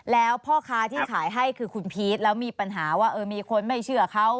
แล้วพ่อค้าที่ขายให้คือคุณพีชแล้วมีปัญหาว่ามีคนไม่เชื่อเขา